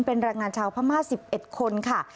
เป็นแรงงานชาวพม่า๑๑คนค่ะ